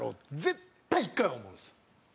絶対１回は思うんです。